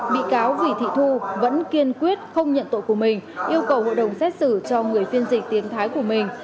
bị cáo vì thị thu vẫn kiên quyết không nhận tội của mình yêu cầu hội đồng xét xử cho người phiên dịch tiếng thái của mình